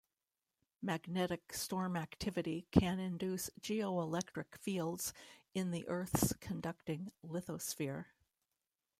Magnetic storm activity can induce geoelectric fields in the Earth's conducting lithosphere.